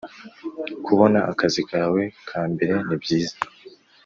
Kubona akazi kawe kamberenibyiza